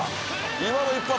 今の一発！